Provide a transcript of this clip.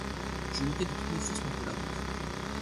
Je luttais de toutes mes forces contre la honte.